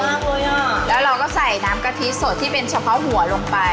แล้วเราก็ใส่น้ำกะทิสดที่เป็นเฉพาะหมัวลงไป